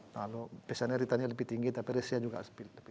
lalu biasanya returnnya lebih tinggi tapi resia juga lebih tinggi